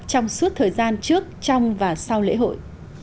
trong suốt thời gian trước trong và sau lễ hội